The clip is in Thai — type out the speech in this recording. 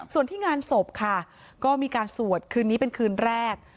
ส่วนที่งานศพค่ะก็มีการสวดคืนนี้เป็นคืนแรก